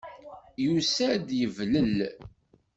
Yusa-d yeblel.